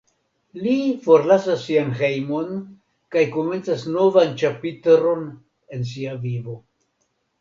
Li forlasas sian hejmon kaj komencas novan ĉapitron en sia vivo.